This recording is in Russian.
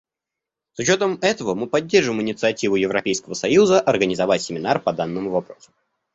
С учетом этого мы поддерживаем инициативу Европейского союза организовать семинар по данному вопросу.